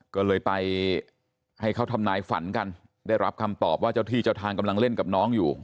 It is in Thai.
ก็เลยไปให้เขาทำนายฝันกันได้รับคำตอบว่าเจ้าที่เจ้าทางกำลังเล่นกับน้องอยู่